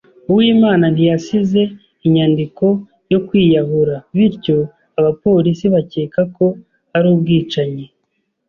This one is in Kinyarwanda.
Uwimana ntiyasize inyandiko yo kwiyahura, bityo abapolisi bakeka ko ari ubwicanyi.